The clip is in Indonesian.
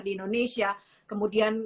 di indonesia kemudian